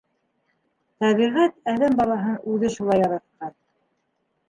Тәбиғәт әҙәм балаһын үҙе шулай яратҡан.